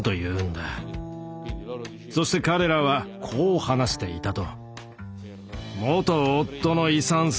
そして彼らはこう話していたと。